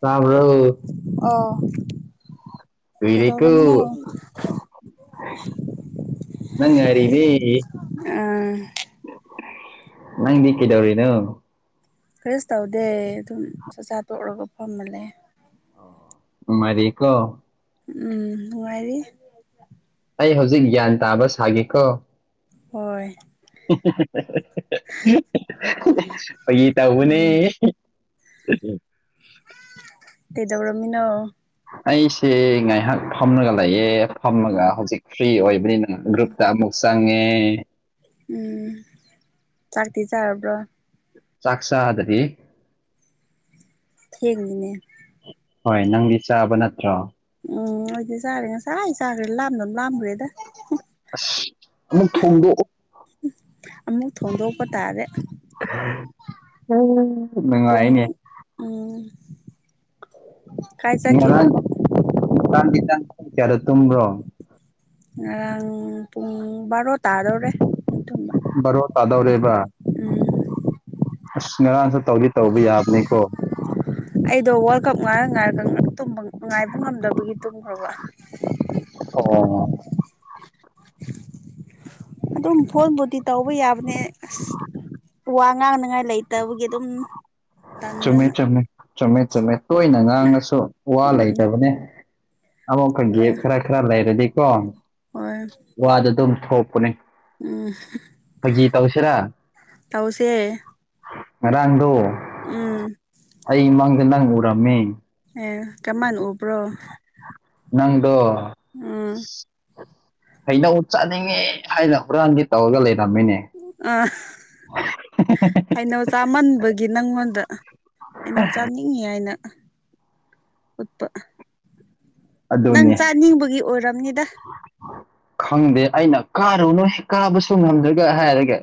ꯇꯥꯕ꯭ꯔ ꯑꯣ ꯏꯅꯦꯛꯇ ꯀꯩꯗꯧꯔꯝꯃꯤꯅꯣ ꯅꯪꯉꯔꯤꯗꯤ ꯑꯥ ꯅꯪ ꯀꯗꯧꯔꯤꯅ ꯀꯔꯤꯁꯨ ꯇꯧꯗꯦ ꯑꯗꯨꯝ ꯆꯥꯛꯆꯥ ꯇꯣꯛꯂꯒ ꯐꯝꯃꯂꯦ ꯎ ꯃꯔꯤꯀꯣ ꯎꯝ ꯋꯥꯅꯨꯡꯔꯤ ꯑꯩ ꯍꯧꯖꯤꯛ ꯒ꯭ꯌꯥꯟ ꯇꯥꯕ ꯁꯥꯒꯦꯀꯣ ꯍꯣꯏ ꯑꯩꯒꯤ ꯇ ꯍꯅꯦ ꯎꯝ ꯎꯝ ꯀꯩꯗꯧꯔꯣꯃꯤꯅꯣ ꯑꯩꯁꯦ ꯉꯥꯏꯍꯥꯛ ꯐꯝꯂꯒ ꯂꯩꯌꯦꯦ ꯐꯝꯃꯒ ꯍꯧꯖꯤꯛ ꯐ꯭ꯔꯤ ꯑꯣꯏꯕꯅꯤꯅ ꯒ꯭ꯔꯨꯞꯇ ꯑꯃꯨꯛ ꯆꯪꯉꯦ ꯎꯝ ꯆꯥꯛꯇ ꯆꯔꯕꯔꯕ꯭ꯔꯣ ꯁꯥꯁꯥ ꯑꯗꯨꯗꯤ ꯊ ꯂꯩꯅꯦ ꯍꯣꯏ ꯅꯪꯗꯤ ꯆꯥꯕ ꯅꯠꯇ꯭ꯔꯣ ꯎꯝ ꯑꯣꯏꯗꯤ ꯆꯥꯔꯦ ꯉꯁꯥꯏ ꯆꯥꯈ꯭ꯔꯦ ꯂꯥꯝꯅꯕ ꯂꯥꯝꯈ꯭ꯔꯦꯗ ꯑꯁ ꯑꯃꯨꯛ ꯊꯣꯡꯗꯣꯛꯑꯣ ꯑꯃꯨꯛ ꯊꯣꯡꯗꯣꯛꯄ ꯇꯥꯔꯦ ꯅꯉꯏꯅꯦ ꯄꯨꯡ ꯎꯝ ꯀꯥꯏ ꯆꯠꯈꯤꯕ ꯃꯔꯔꯥꯡ ꯃꯔꯔꯥꯡ ꯇ ꯆꯔ ꯇꯨꯝ꯭ꯔꯣ ꯑꯔꯨꯡ ꯔꯣ ꯇꯔꯔꯦ ꯔꯣ ꯇꯥꯗꯧꯔꯦꯕ ꯎꯝ ꯑꯁ ꯉꯔꯥꯡꯁꯨ ꯇꯧꯗꯤ ꯇꯧꯕ ꯌꯥꯕꯅꯤꯀꯣ ꯑꯩꯗꯣ ꯋꯥꯔꯜ ꯀꯞ ꯉꯥꯏꯔ ꯉꯥꯏꯔꯒ ꯉꯥꯏꯕ ꯉꯝꯗꯕꯒꯤ ꯇꯨꯝꯈ꯭ꯔꯕ ꯑꯣ ꯑꯗꯨꯝ ꯐꯣꯟꯕꯨꯗꯤꯤ ꯇꯧꯕ ꯌꯥꯕꯅꯦ ꯑꯁ ꯋꯥ ꯉꯥꯡꯅꯤꯉꯥꯏ ꯂꯩꯇꯕꯒꯤ ꯑꯗꯨꯝ ꯆꯨꯝꯃꯦ ꯇꯟꯗꯅ ꯆꯨꯝꯃꯦ ꯆꯨꯝꯃꯦ ꯆꯨꯝꯃꯦ ꯇꯣꯏꯅ ꯉꯥꯡꯉꯁꯨ ꯋꯥ ꯎꯝ ꯂꯩꯇꯕꯅꯦ ꯑꯃꯨꯛꯀ ꯒꯦꯞ ꯍꯣꯏ ꯈꯔ ꯈꯔ ꯂꯩꯔꯗꯤꯀꯣ ꯍꯣꯏ ꯋꯥꯗ ꯑꯗꯨꯝ ꯊꯣꯛꯄꯅꯦ ꯑꯣ ꯐꯥꯒꯤ ꯇꯧꯁꯤꯔꯥ ꯇꯧꯁꯦ ꯉꯔꯥꯡꯗꯣ ꯎꯝ ꯉꯔꯃꯦ ꯑꯦ ꯀꯃꯅ ꯎꯕ꯭ꯔꯣ ꯅꯪꯗꯣ ꯑ ꯀꯩꯅꯧ ꯆꯥꯅꯤꯡꯉꯦ ꯍꯥꯏꯅ ꯍꯨꯔꯥꯟꯗꯤ ꯇꯧꯔꯒ ꯂꯩ ꯑ ꯑꯩꯅꯣ ꯆꯥꯃꯟꯕ ꯒꯤ ꯅꯪꯉꯣꯟꯗ ꯀꯩꯅꯣ ꯆꯥꯅꯤꯡꯉꯤ ꯍꯥꯏꯅ ꯎꯠꯄ ꯅꯪ ꯑꯗꯨꯅꯦ ꯆꯥꯅꯤꯡꯕꯒꯤ ꯑꯣꯏꯔꯕꯅꯤꯗ ꯈꯪꯗꯦ ꯑꯩꯅ ꯀꯥꯔꯨꯅꯨ ꯀꯥꯕꯁꯨ ꯉꯝꯗ꯭ꯔꯒ ꯍꯥꯏꯔꯒꯦ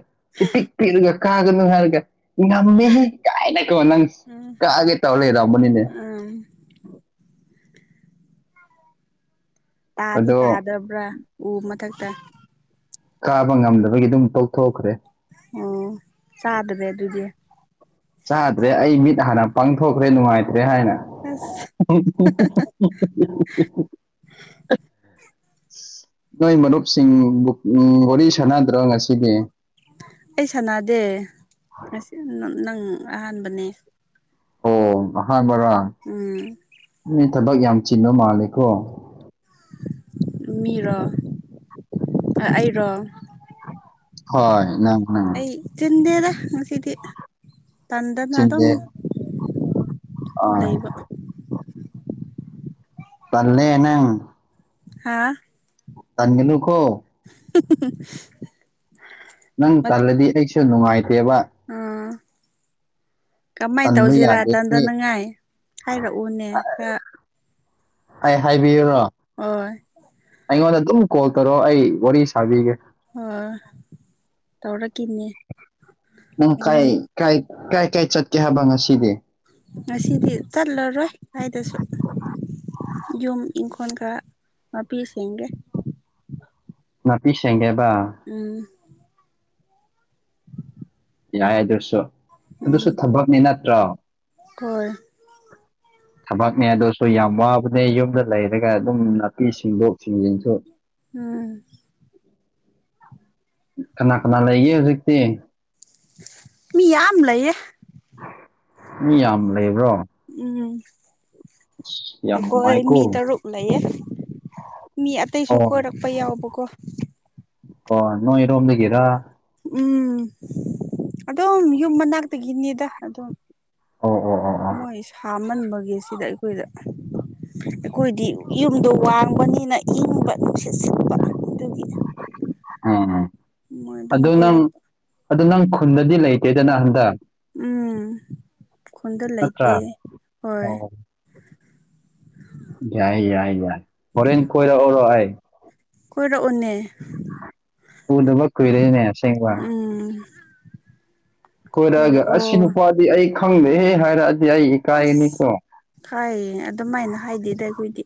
ꯇꯤꯛꯇꯤꯔꯒ ꯀꯥꯒ ꯅꯨꯉꯥꯏꯔꯒ ꯉꯝꯃꯤꯁꯤ ꯀꯥꯏꯅꯀꯣ ꯅꯪ ꯎꯝ ꯀꯛꯑꯒꯦ ꯇꯧꯔ ꯂꯩ ꯔꯎꯕꯅꯤꯅꯦ [unintelligible] ꯇꯥꯗꯤ ꯑꯗꯣ ꯇꯥꯗꯕ꯭ꯔꯥ ꯎ ꯃꯊꯛꯇ ꯀꯥꯕ ꯉꯝꯗꯕꯒꯤ ꯑꯗꯨꯝ ꯇꯧꯊꯣꯛꯈ꯭ꯔꯦ ꯑꯣ ꯆꯗꯕꯦ ꯑꯗꯨꯗꯤ ꯆꯥꯗ꯭ꯔꯦ ꯑꯩ ꯃꯤꯠ ꯍꯥꯟꯅ ꯄꯥꯡꯊꯣꯛꯈ꯭ꯔꯦ ꯅꯨꯡꯉꯥꯏꯇꯦ ꯍꯥꯏꯥꯏꯅ ꯑꯁ ꯅꯣꯏ ꯃꯔꯨꯞꯁꯤꯡ ꯋꯥꯔꯤ ꯁꯥꯟꯅꯗ꯭ꯔꯕ ꯉꯁꯤꯗꯤ ꯑꯩ ꯁꯥꯟꯅꯗꯦ ꯉ ꯅꯪ ꯑꯍꯥꯟꯕꯅꯦ ꯑꯣ ꯍꯥꯕꯔ ꯎꯝ ꯊꯕꯛ ꯌꯥꯝ ꯆꯤꯟꯟꯅꯕ ꯃꯥꯜꯂꯦꯀꯣ ꯃꯤꯔꯣ ꯑꯩꯔꯣ ꯍꯣꯏ ꯉꯪꯉꯪ ꯇꯟꯗꯦꯗꯦ ꯉꯁꯤꯗꯤ ꯇꯥꯟꯗꯅ ꯑꯗꯨ ꯑꯗꯨꯝ ꯆꯤꯟꯗꯦ ꯑꯥ ꯂꯩꯕꯥꯛ ꯄꯜꯂꯦ ꯅꯪ ꯍꯥ ꯇꯃꯤꯅꯨ ꯀꯣ [unintelligible] ꯅꯪ ꯇꯜꯂꯗꯤ ꯑꯩꯁꯨ ꯅꯨꯡꯉꯥꯏꯇꯦꯕ ꯑꯥ ꯀꯃꯥꯏꯅ ꯇꯟꯕ ꯇꯧꯁꯤꯔꯥ ꯌꯥꯗꯦ ꯍꯦ ꯇꯟꯗꯅꯉꯥꯏ ꯍꯥꯏꯔꯛꯎꯅꯦ ꯈꯔ ꯑꯩ ꯍꯥꯏꯕꯤꯌꯨꯔꯣ ꯑꯣ ꯑꯩꯉꯣꯟꯗ ꯑꯗꯨꯝ ꯀꯣꯜ ꯇꯧꯔꯣ ꯑꯩ ꯋꯥꯔꯤ ꯁꯥꯕꯤꯒꯦ ꯍ ꯇꯧꯔꯛꯈꯤꯅꯦ ꯅꯪ ꯑꯩꯉꯣꯟ ꯀꯥꯏꯥꯏ ꯀꯥꯏ ꯀꯥꯏ ꯆꯠꯀꯦ ꯍꯥꯏꯕ ꯉꯁꯤꯗꯤ ꯉꯁꯤꯗꯤ ꯆꯠꯂꯔꯣꯏ ꯍꯥꯏꯗꯁꯨ ꯌꯨꯝ ꯏ ꯈꯣꯟ ꯀ ꯍꯥꯄꯤꯤꯁꯡꯒꯦ ꯉ ꯄꯤꯁꯦꯡꯒꯦ ꯎꯝ ꯌꯥꯏ ꯑꯗꯨꯁꯨ ꯑꯗꯨꯁꯨ ꯊꯕꯛꯅꯤ ꯅꯠꯇ꯭ꯔꯣ ꯀꯜ ꯊꯕꯛꯅꯦ ꯑꯗꯨꯁꯨ ꯌꯥꯝ ꯋꯥꯕꯅꯦ ꯌꯨꯝꯗ ꯂꯩꯔꯒ ꯑꯗꯨꯝ ꯅꯥꯄꯤ ꯁꯤꯡꯗꯣꯛ ꯁꯤꯡꯖꯤꯟꯁꯨ ꯎꯝ ꯀꯅꯥ ꯀꯅꯥ ꯂꯩꯒꯦ ꯍꯧꯖꯤꯛꯇꯤ ꯃꯤ ꯌꯥꯝ ꯂꯩꯌꯦ ꯃꯤ ꯌꯥꯝ ꯂꯩꯕ꯭ꯔꯣ ꯑꯁ ꯌꯥꯝ ꯎꯝ ꯀꯣꯏ ꯅꯨꯡꯉꯥꯏꯀꯣ ꯃꯤ ꯇꯔꯨꯛ ꯂꯩꯌꯦ ꯃꯤ ꯑꯇꯩꯁꯨ ꯑꯣ ꯀꯣꯏꯔꯛꯄ ꯌꯥꯎꯕꯀꯣ ꯑꯣ ꯅꯣꯏ ꯏꯔꯣꯝ ꯂꯩꯒꯦꯔ ꯎꯝ ꯑꯗꯨꯝ ꯌꯨꯝ ꯃꯅꯥꯛꯇꯒꯤꯅꯤꯗ ꯑꯗꯨꯝ ꯑꯣ ꯑꯣ ꯑꯣ ꯑꯣ ꯑꯃꯟꯕꯒꯤ ꯁꯤꯗ ꯑꯩꯈꯣꯏꯗ ꯑꯩꯈꯣꯏꯗꯤ ꯌꯨꯝꯗꯣ ꯋꯥꯡꯕꯅꯤꯅ ꯏꯪꯕ ꯅꯨꯡꯁꯤꯠ ꯁꯤꯠꯄ ꯑꯗꯨꯒꯤ [unintelligible] ꯍ ꯃꯣꯏ ꯑꯗꯨꯝ ꯀꯣꯏꯔꯔꯕ ꯑꯗꯨꯗ ꯅꯪ ꯈꯨꯟꯗꯗꯤ ꯂꯩꯇꯦꯗꯅ ꯍꯟꯗꯛ ꯎꯝ ꯈꯨꯟꯗ ꯂꯩꯇꯦ ꯅꯠꯇ꯭ꯔꯥ ꯍꯣꯏ ꯑꯣ ꯌꯥꯏ ꯌꯥꯏ ꯌꯥꯏ ꯍꯣꯔꯦꯟ ꯀꯣꯏꯔꯛꯔꯥꯏ ꯀꯣꯏꯔꯛꯅꯦ ꯄꯨꯗꯕ ꯀꯨꯏꯔꯦꯅꯦ ꯑꯁꯦꯡꯕ ꯎꯝ ꯀꯣꯏꯔꯛꯑꯒ ꯑꯁꯤ ꯀꯣꯏꯔꯛꯑꯣ ꯅꯨꯄꯥꯗꯤ ꯑꯩ ꯈꯪꯗꯦꯍꯦ ꯍꯥꯏꯔꯛꯑꯗꯤ ꯑꯩ ꯏꯀꯥꯏꯒꯅꯤꯀꯣ ꯑꯁ ꯍꯥꯏꯌꯦ ꯑꯗꯨꯃꯥꯏꯅ ꯍꯥꯏꯗꯦꯗ ꯑꯩꯈꯣꯏꯗꯤ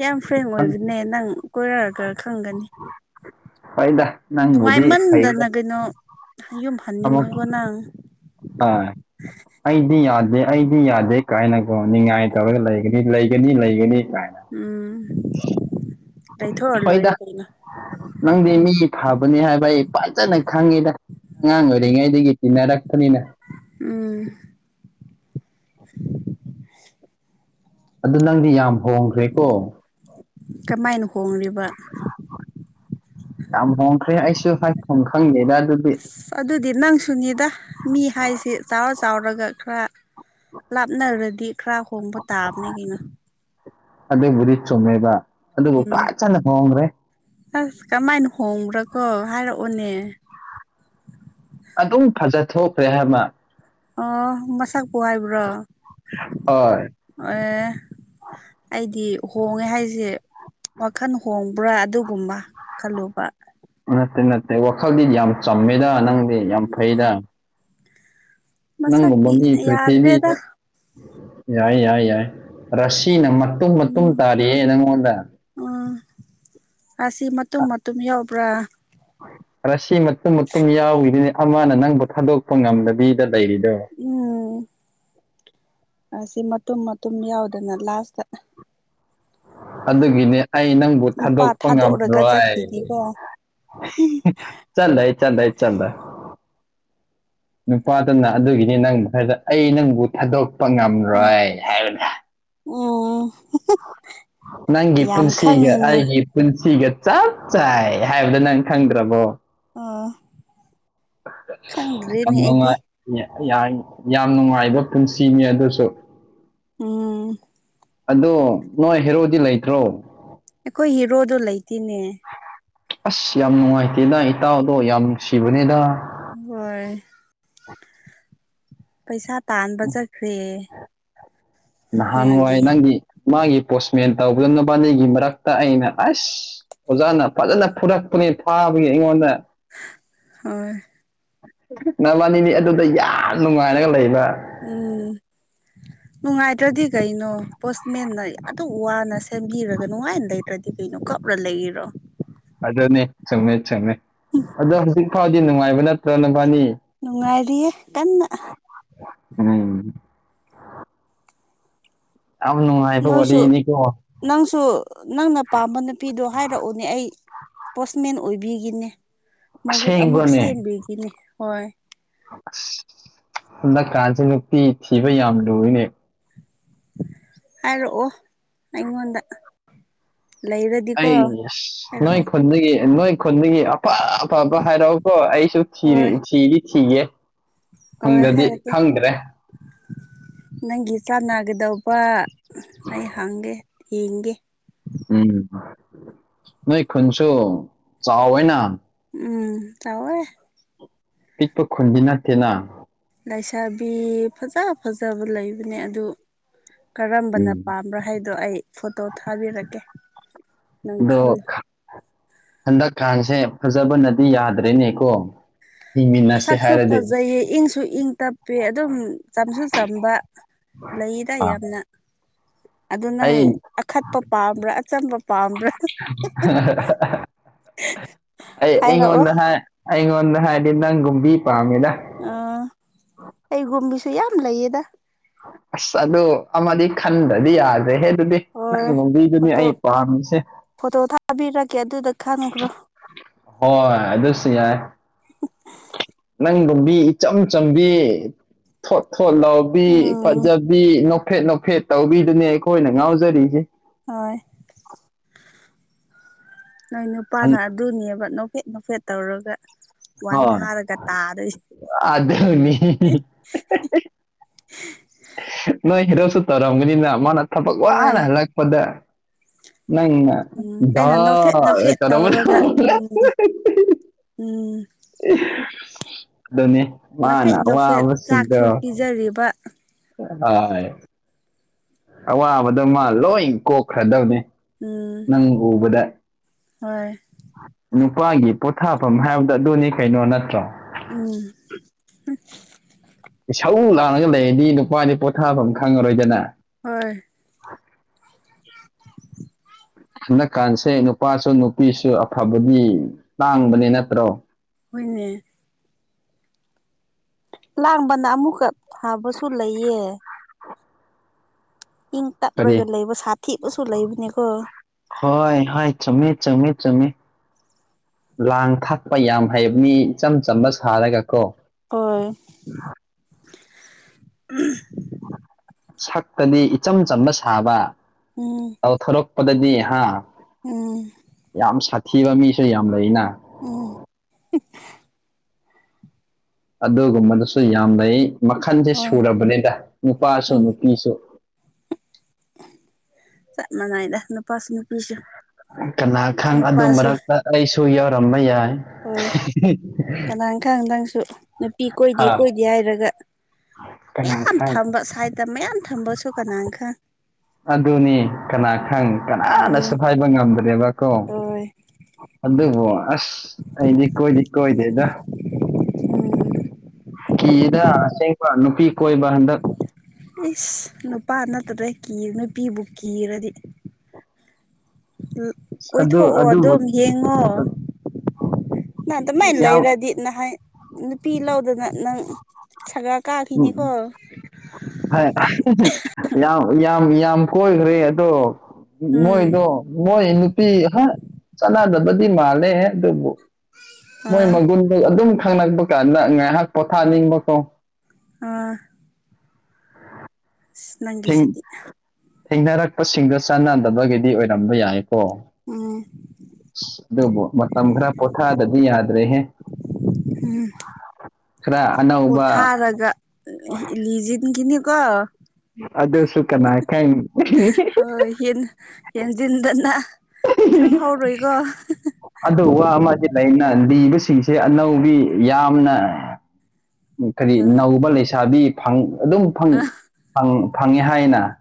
ꯌꯥꯝ ꯐ꯭ꯔꯦꯡ ꯑꯣꯏꯕꯅꯦ ꯅꯪ ꯀꯣꯏꯔꯛꯑꯒ ꯈꯪꯒꯅꯤ ꯐꯩꯗ ꯅꯪ ꯃꯗꯤ ꯐꯩꯗ ꯅꯨꯡꯉꯥꯏꯃꯟꯗꯅ ꯀꯩꯅꯣ ꯌꯨꯝ ꯑꯃꯨ ꯍꯟꯅꯤꯡꯉꯣꯏꯀꯣ ꯅꯪ ꯑ ꯌꯥꯗ ꯑꯩꯗꯤ ꯌꯥꯗꯦ ꯀꯥꯏꯅꯀꯣ ꯉꯥꯏ ꯇꯧꯔꯒ ꯂꯩꯒꯅꯤ ꯂꯩꯒꯅꯤ ꯂꯩꯒꯅꯤ ꯀꯥꯏ ꯎꯝ ꯂꯩꯊꯣꯛꯑ ꯍꯣꯏꯗ ꯂꯣꯏꯔꯦ ꯀꯩꯅꯣ ꯅꯪꯗꯤ ꯃꯤ ꯐꯕꯅꯤ ꯍꯥꯏꯕ ꯑꯩ ꯐꯖꯅ ꯈꯪꯉꯤꯗ ꯑꯉꯥꯡ ꯑꯣꯏꯔꯤꯉꯩꯗꯒꯤ ꯇꯤꯟꯅꯔꯛꯄꯅꯤꯅ ꯎꯝ ꯑꯗꯨ ꯅꯪꯗꯤ ꯌꯥꯝ ꯍꯣꯡꯈ꯭ꯔꯦꯀꯣ ꯀꯃꯥꯏꯅ ꯍꯣꯡꯕ ꯍꯥꯏ ꯈꯪꯈꯪꯗꯦꯗ ꯑꯁ ꯑꯗꯨꯗꯤ ꯅꯪ ꯁꯨꯅꯤꯗ ꯃꯤ ꯍꯥꯏꯁꯤ ꯆꯥꯎꯔ ꯆꯥꯎꯔ ꯇꯧꯔꯒ ꯈꯔ ꯂꯥꯞꯅꯔꯗꯤ ꯈꯔ ꯍꯣꯡꯕ ꯇꯥꯕꯅꯦ ꯀꯩꯅꯣ ꯑꯗ ꯎꯔꯤ ꯆꯃꯦꯕ ꯑꯗꯨꯕꯨ ꯎꯝ ꯀꯥꯏ ꯆꯅ ꯍꯉ꯭ꯔꯦ ꯑꯁ ꯀꯃꯥꯏꯅ ꯍꯣꯡꯕ꯭ꯔꯥ ꯀꯣ ꯍꯥꯏꯔꯛꯑꯣꯅꯦ ꯑꯗꯨꯝ ꯐꯖꯊꯈ꯭ꯔꯦ ꯍꯥꯏꯕ ꯑꯣ ꯃꯁꯛꯄꯨ ꯍꯥꯏꯕ꯭ꯔꯣ ꯍ ꯑꯩꯗꯤ ꯍꯣꯡꯉꯦ ꯍꯥꯏꯁꯦ ꯋꯥꯈꯜ ꯍꯣꯡꯕ꯭ꯔꯥ ꯑꯗꯨꯒꯨꯝꯕ ꯈꯜꯂꯨꯕ ꯅꯠꯇꯦ ꯅꯠꯇꯦ ꯋꯥꯈꯜꯗꯤ ꯌꯥꯝ ꯆꯝꯃꯦꯗ ꯅꯪꯗꯤ ꯌꯥꯝ ꯎꯝ ꯐꯩꯗ ꯅꯪ ꯃ ꯃꯁꯛꯇꯤ ꯃꯃꯤ ꯀ꯭ꯔꯤꯁꯤꯕꯤ ꯌꯥꯗ꯭ꯔꯦꯗ ꯌꯥꯏ ꯌꯥꯏ ꯌꯥꯏ ꯔꯁꯤꯅ ꯃꯇꯨꯝ ꯃꯇꯨꯝ ꯎꯝ ꯇꯥꯔꯤꯌꯦꯦ ꯅꯪꯉꯣꯟꯗ ꯎꯝ ꯑꯁꯤ ꯃꯇꯨꯝ ꯃꯇꯨꯝ ꯌꯥꯎꯕ꯭ꯔꯥ ꯔꯁꯤ ꯃꯇꯨꯝ ꯃꯇꯨꯝ ꯌꯥꯎꯏꯗꯨꯅꯤ ꯑꯃꯅ ꯅꯪꯕꯨ ꯊꯥꯗꯣꯛꯄ ꯉꯝꯗꯕꯤꯗ ꯂꯩꯔꯤꯗꯣ ꯎꯝ ꯑꯁꯤ ꯃꯇꯨꯝ ꯃꯇꯨꯝ ꯌꯥꯎꯗꯅ ꯂꯥꯁꯇ ꯑꯗꯨꯒꯤꯅꯤ ꯑꯩ ꯅꯪꯕꯨ ꯅꯨꯄꯥ ꯊꯥꯗꯣꯛꯄ ꯊꯥꯗꯣꯛꯔꯒ ꯉꯝꯃꯣꯏ ꯆꯠꯈꯤꯅꯤꯀꯣ ꯆꯂ ꯆꯂ ꯆꯗ ꯅꯨꯄꯥꯇꯅ ꯑꯗꯨꯒꯤꯅꯤ ꯅꯪ ꯃꯈ ꯈꯔꯗ ꯑꯩ ꯅꯪꯕꯨ ꯊꯥꯗꯣꯛ ꯆꯄ ꯎꯝ ꯉꯝꯔꯣꯏ ꯍꯥꯏꯕꯗ ꯎꯝ ꯅꯪꯒꯤ ꯌꯥꯝ ꯄꯨꯟꯁꯤꯒ ꯈꯪꯉꯤꯅꯦ ꯑꯩꯒꯤ ꯄꯨꯟꯁꯤꯒ ꯆꯞ ꯆꯥꯏ ꯍꯥꯏꯕꯗꯨꯣ ꯅꯪ ꯈꯪꯗ꯭ꯔꯕꯣ ꯑꯥ ꯀꯣꯡꯉ ꯌꯥꯝ ꯅꯨꯡꯉꯥꯏꯕ ꯄꯨꯟꯁꯤꯅꯤ ꯑꯗꯨꯁꯨ ꯎꯝ ꯑꯗꯣ ꯅꯣꯏ ꯍꯦꯔꯣꯗꯤ ꯂꯩꯇ꯭ꯔꯣ ꯑꯩꯈꯣꯏ ꯍꯤꯔꯣꯗꯣ ꯂꯩꯇꯅꯦ ꯑꯁ ꯌꯥꯝ ꯅꯨꯡꯉꯥꯏꯇꯦꯗ ꯏꯇꯥꯎꯗꯣ ꯌꯥꯝ ꯅꯨꯡꯁꯤꯕꯅꯦꯗ ꯍꯣꯏ ꯄꯩꯁꯥ ꯇꯥꯟꯕ ꯆꯠꯈ꯭ꯔꯦ ꯅꯍꯥꯟꯋꯥꯏ ꯃꯥꯗꯤ ꯅꯪꯗꯤ ꯃꯥꯒꯤ ꯄꯣꯁꯃꯦꯟ ꯇꯧꯗ ꯅꯨꯕꯥꯅꯤꯒꯤ ꯃꯔꯛꯇ ꯑꯩꯅ ꯑꯁ ꯑꯣꯖꯥꯅ ꯐꯖꯅ ꯐꯨꯔꯛꯄꯅꯦꯥ ꯏꯉꯣꯟꯗ ꯍꯣꯏ ꯅꯃꯅꯤ ꯃꯤ ꯑꯗꯨꯗ ꯌꯥꯝ ꯅꯨꯡꯉꯥꯏꯔꯒ ꯂꯩꯕ ꯎꯝ ꯅꯨꯡꯉꯥꯏꯇ꯭ꯔꯗꯤ ꯀꯩꯅꯣ ꯄꯣꯁꯃꯦꯟꯅ ꯑꯗꯨꯝ ꯋꯥꯅ ꯁꯦꯝꯕꯤꯔꯒ ꯅꯨꯡꯉꯥꯏꯅ ꯂꯩꯇ꯭ꯔꯗꯤ ꯀꯩꯅꯣ ꯀꯞꯅ ꯂꯩꯔꯣ ꯑꯗꯨꯅꯤ ꯆꯨꯝꯃꯦ ꯆꯨꯝꯃꯦ ꯑꯗꯣ ꯍꯧꯖꯤꯛ ꯐꯥꯎꯗꯤ ꯅꯨꯡꯉꯥꯏꯕ ꯅꯠꯇ꯭ꯔꯣꯅꯕꯥꯅꯤ ꯅꯨꯡꯉꯥꯏꯔꯤꯌꯦ ꯀꯟꯅ ꯑ ꯌꯥꯝ ꯅꯨꯡꯉꯥꯏꯕ ꯅꯣꯏꯁꯨ ꯋꯥꯔꯤꯅꯤꯀꯣ ꯅꯪꯁꯨ ꯅꯪꯅ ꯄꯥꯝꯕ ꯅꯨꯄꯤꯗꯣ ꯍꯥꯏꯔꯛꯎꯅꯦ ꯑꯩ ꯄꯣꯁꯃꯦꯟ ꯑꯣꯏꯕꯤꯒꯤꯅꯤ ꯃꯍꯨꯠ ꯑꯃꯨꯛ ꯁꯦꯝꯕꯤꯒꯤꯅꯤ ꯍꯣꯏ ꯍꯟꯗꯛꯀꯥꯥꯁꯦ ꯅꯨꯡꯄꯤꯤ ꯊꯤꯕ ꯌꯥꯝ ꯂꯨꯏꯅꯦ ꯍꯥꯏꯔꯛꯑꯣ ꯑꯩꯉꯣꯟꯗ ꯂꯩꯔꯗꯤꯀꯣ ꯑꯩ ꯍꯥꯏꯔꯛꯑꯣ ꯅꯣꯏ ꯈꯨꯟꯗꯒꯤ ꯅꯣꯏ ꯈꯨꯟꯗꯒꯤ ꯑꯄꯥ ꯑꯄꯥꯕ ꯍꯥꯏꯔꯛꯎꯀꯣ ꯑꯩ ꯔꯤ ꯍꯣꯏ ꯆꯤꯔꯤ ꯊꯤꯦ ꯍꯣꯏ ꯍꯥꯏꯔꯛꯀꯦ ꯅꯪꯒꯤ ꯆꯥꯟꯅꯒꯗꯧꯕ ꯑꯩ ꯍꯪꯒꯦ ꯌꯦꯡꯒꯦ ꯎꯝ ꯅꯣꯏ ꯈꯨꯟꯁꯨ ꯆꯥꯎꯋꯦꯅ ꯎꯝ ꯇꯋꯋꯦ ꯄꯤꯛꯄ ꯈꯨꯟꯗꯤ ꯅꯠꯇꯦꯅ ꯂꯩꯥꯏꯁꯥꯕꯤ ꯐꯖ ꯐꯖꯕ ꯂꯩꯕꯅꯦ ꯑꯗꯨ ꯀꯔꯝꯕꯅ ꯎꯝ ꯄꯥꯝꯕ꯭ꯔꯥ ꯍꯥꯏꯗꯣ ꯑꯩ ꯐꯣꯇꯣ ꯊꯥꯕꯤꯔꯛꯀꯦ ꯅꯪ ꯑꯗꯣ ꯈꯔ ꯍꯟꯗꯛꯀꯥꯟꯁꯦ ꯐꯖꯕꯅꯗꯤ ꯌꯥꯗ꯭ꯔꯦꯅꯦꯀꯣ ꯍꯤꯡꯃꯤꯟꯅꯁꯦ ꯁꯛꯁꯨ ꯍꯥꯏꯔꯗꯤ ꯐꯖꯩꯌꯦ ꯏꯪꯁꯨ ꯏꯪ ꯇꯞꯄꯦ ꯑꯗꯨꯝ ꯆꯝꯁꯨ ꯆꯝꯕ ꯂꯩꯗ ꯌꯥꯝꯅ ꯑꯗꯨ ꯅꯪ ꯑꯩ ꯑꯈꯠꯄ ꯄꯥꯝꯕ꯭ꯔꯥ ꯑꯆꯝꯕ ꯄꯥꯝꯕ꯭ꯔꯥ ꯑꯩ ꯍꯥꯏꯔꯛꯑꯣ ꯑꯩꯉꯣꯟꯗ ꯍꯥꯏ ꯑꯩꯉꯣꯟꯗ ꯍꯥꯏꯗꯤ ꯅꯪꯒꯨꯝꯕꯤ ꯑ ꯑꯩꯒꯨꯝꯕꯤ ꯁ ꯌꯥꯝ ꯌꯥꯝ ꯂꯩꯗ ꯑꯁ ꯑꯣ ꯑꯃꯗꯤ ꯈꯟꯗꯗꯤ ꯌꯥꯗ꯭ꯔꯦ ꯍꯦ ꯑꯗꯨꯗꯤ ꯅꯪ ꯍꯣꯏ ꯅꯨꯡꯒꯤꯗꯨꯅꯦ ꯐꯣꯇꯣ ꯑꯩ ꯄꯥꯝꯃꯤꯁꯦ ꯐꯣꯇꯣ ꯊꯥꯕꯤꯔꯛꯀꯦ ꯑꯗꯨꯗ ꯈꯟꯈ꯭ꯔꯣ ꯍꯣꯏ ꯑꯗꯨꯗꯁꯨ ꯌꯥꯏ ꯪꯒꯨꯝꯕꯤ ꯏꯆꯝ ꯆꯝꯕꯤ ꯊꯣꯠ ꯊꯣꯠ ꯂꯥꯎꯕꯤ ꯎꯝ ꯐꯖꯕꯤ ꯐꯦꯠ ꯅꯣꯐꯦꯠ ꯇꯧꯕꯤꯗꯨꯅꯦ ꯑꯩꯈꯣꯏꯅ ꯉꯥꯎꯖꯔꯤꯁꯦ ꯍꯣꯏ ꯅꯣꯏ ꯅꯨꯄꯥꯅ ꯑꯗꯨꯅꯦꯕ ꯍꯥꯐꯦꯠ ꯃꯐꯦꯠ ꯇꯧꯔꯒ ꯋꯥꯟ ꯊꯥꯔꯒ ꯇꯥꯔꯣꯏ ꯎꯃꯤ ꯅꯣꯏ ꯍꯤꯔꯞꯁꯨ ꯇꯧꯔꯝꯒꯅꯤꯅ ꯃꯥꯅ ꯊꯕꯛ ꯍꯣꯏ ꯋꯥꯅ ꯍꯜꯂꯛꯄꯗ ꯅꯪꯅ ꯎꯝ ꯑꯩꯅ ꯙꯥ ꯅꯣꯐꯦꯠ ꯅꯣꯐꯦꯠ ꯇꯧꯔꯝꯕꯗꯣ ꯇꯧꯔꯒ ꯎꯝ ꯎꯝ ꯑꯦ ꯑꯗꯨꯅꯦ ꯃꯥꯅ ꯅꯣꯐꯦꯠ ꯅꯣꯐꯦꯠ ꯋꯥꯕꯁꯤꯗ ꯆꯥꯛꯁꯨ ꯄꯤꯖꯔꯤꯕ ꯍ ꯑꯋꯥꯕꯗꯣ ꯃꯥ ꯂꯣꯏ ꯀꯣꯛꯈ꯭ꯔꯗꯕꯅꯦ ꯎꯝ ꯅꯪ ꯎꯕꯗ ꯍꯣꯏ ꯅꯨꯄꯥꯒꯤ ꯄꯣꯊꯥꯐꯝ ꯍꯥꯏꯕꯗ ꯑꯗꯨꯅꯤ ꯀꯩꯅꯣ ꯅꯠꯇ꯭ꯔꯣ ꯎꯝ ꯁꯧ ꯂꯥꯛꯉꯒ ꯂꯩꯔꯗꯤ ꯅꯨꯄꯥꯗꯤ ꯄꯣꯊꯥꯐꯝ ꯈꯪꯉꯔꯣꯏꯗꯅ ꯍꯣꯏ [unintelligible] ꯍꯟꯗꯛꯀꯥꯟꯁꯦ ꯅꯨꯄꯥꯁꯨ ꯅꯨꯄꯤꯁꯨ ꯑꯐꯕꯗꯤ ꯇꯥꯡꯕꯅꯦ ꯅꯠꯇ꯭ꯔꯣ ꯍꯃꯦ ꯂꯥꯡꯕꯅ ꯑꯃꯨꯛꯀ ꯊꯥꯕꯁꯨ ꯂꯩꯌꯦ ꯏꯪ ꯀꯔꯤ ꯇꯞꯂꯒ ꯂꯩꯕ ꯁꯥꯊꯤꯄꯁꯨ ꯂꯩꯕꯅꯦꯀꯣ ꯍꯣꯏ ꯍꯣꯏ ꯆꯪꯉ ꯆꯪꯉ ꯆꯪꯉ ꯂꯥꯡ ꯊꯥꯛꯄ ꯌꯥꯝ ꯍꯩꯕ ꯃꯤ ꯏꯆꯝ ꯆꯝꯕ ꯁꯥꯔꯒ ꯀꯣ ꯍꯣꯏ [inaudible] ꯁꯛꯇꯗꯤ ꯏꯆꯝ ꯆꯝꯕ ꯁꯥꯕ ꯎꯝ ꯇꯧꯊꯣꯔꯛꯄꯗꯗꯤ ꯍꯥ ꯎꯝ ꯊꯤꯕ ꯃꯤꯁꯨ ꯌꯥꯝ ꯂꯩꯅ ꯎꯝ ꯑꯗꯨꯒꯨꯝꯕꯗꯨꯁꯨ ꯌꯥꯝ ꯂꯩ ꯃꯈꯟꯁꯦ ꯍꯣꯏ ꯁꯨꯔꯕꯅꯤꯗ ꯅꯨꯄꯥꯁꯨ ꯎꯝ ꯅꯨꯄꯤꯁꯨ ꯆꯞ ꯃꯅꯥꯏꯗ ꯅꯨꯞ ꯀꯅꯥ ꯈꯪ ꯑꯗꯨ ꯅꯨꯄꯥꯁꯨ ꯃꯔꯛꯇ ꯑꯩꯁꯨ ꯌꯥꯎꯔꯝꯕ ꯌꯥꯏ ꯑꯟꯑꯣꯗꯤꯕꯜ ꯁꯨ ꯅꯨꯄꯤ ꯀꯣꯏꯗꯦ ꯀꯣꯏꯗꯦ ꯍꯥꯏꯔꯒ ꯀꯅꯥ ꯃꯌꯥꯝ ꯈꯪ ꯊꯝꯕ ꯁꯥꯏꯠꯇ ꯃꯌꯥꯝ ꯊꯝꯕꯁꯨ ꯀꯅꯥꯅ ꯈꯪ ꯑꯗꯨꯅꯤ ꯀꯅꯥ ꯈꯪ ꯀꯅꯥꯅ ꯎꯝ ꯁꯨ ꯍꯥꯏꯕ ꯉꯝꯗ꯭ꯔꯦꯕ ꯀꯣ ꯍꯣꯏ ꯑꯗꯨꯕꯣ ꯑꯁ ꯑꯩꯗꯤ ꯀꯣꯏꯗꯤ ꯀꯣꯏ ꯗꯦꯗ ꯎꯝ ꯀꯤꯗ ꯑꯁꯦꯡꯕ ꯅꯨꯄꯤ ꯀꯣꯏꯕ ꯍꯟꯗꯛ ꯏꯁ ꯅꯨꯄꯥ ꯅꯠꯇꯔꯦ ꯀꯤ ꯅꯨꯄꯤꯕꯨ ꯀꯤꯔꯗꯤ ꯑꯁ ꯑꯗꯨ ꯀꯣꯏꯊꯣꯛꯑꯣ ꯑꯗꯨꯕꯨ ꯑꯗꯨꯝ ꯌꯦꯡꯉꯣ ꯗꯨꯃꯥꯏꯅ ꯌꯥꯝ ꯂꯩꯔꯗꯤ ꯅꯍꯥꯟ ꯅꯨꯄꯤ ꯂꯧꯗꯅ ꯅꯪ ꯁꯒ ꯀꯥꯈꯤꯅꯤꯀꯣ ꯍꯥꯏ ꯌꯥꯝ ꯌꯥꯝ ꯌꯥꯝ ꯀꯣꯏꯈ꯭ꯔꯦ ꯑꯗꯣ ꯎꯝ ꯃꯣꯏꯗꯣ ꯃꯣꯏ ꯅꯨꯄꯤ ꯍꯥ ꯆꯥꯟꯅꯗꯕꯗꯤ ꯃꯥꯜꯂꯦꯍꯦ ꯑꯗꯨꯕꯨ ꯃꯣꯏ ꯑꯥ ꯃꯒꯨꯟꯗꯣ ꯑꯗꯨꯝ ꯈꯪꯛꯄ ꯀꯥꯟꯗ ꯉꯥꯏꯍꯥꯛ ꯄꯣꯊꯥꯅꯤꯡꯕꯀꯣ ꯑꯥ ꯑꯟꯑꯣꯗꯤꯕꯜ ꯁ ꯅꯪꯒꯤꯁꯤꯗꯤ ꯊꯦꯡꯅꯔꯛꯄꯁꯤꯡꯗ ꯆꯥꯟꯅꯗꯕꯒꯤꯗꯤ ꯑꯣꯏꯔꯝꯕ ꯌꯥꯏ ꯑꯣ ꯎꯝ ꯑꯗꯨꯕꯣ ꯃꯇꯝ ꯈ꯭ꯔ ꯄꯣꯊꯥꯗꯗꯤ ꯌꯥꯗ꯭ꯔꯦꯍꯦ ꯎꯝ ꯈꯔ ꯑꯅꯧꯕ ꯄꯣꯊꯥꯔꯒ ꯂꯤꯖꯤꯟꯒꯤꯅꯤ ꯀꫭ ꯑꯗꯨꯁꯨꯨ ꯀꯅꯥꯥ ꯀꯥꯏ ꯌꯦꯡꯁꯤꯟꯗꯅ ꯈꯪꯍꯧꯔꯣꯏꯀꯣ ꯑꯗꯨ ꯋꯥ ꯑꯃꯗꯤ ꯂꯩꯅ ꯂꯤꯕꯁꯤꯡꯁꯦ ꯑꯅꯧꯕꯤ ꯌꯥꯝꯅ ꯀꯔꯤ ꯑ ꯅꯧꯕ ꯂꯩꯁꯥꯕꯤ ꯐꯪ ꯑꯗꯨꯝ ꯐꯪ ꯐꯪꯉꯦ ꯍꯥꯏꯅ